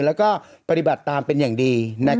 แล้วก็ปฏิบัติตามเป็นอย่างดี